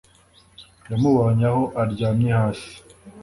Yamubonye Aho aryamye hasi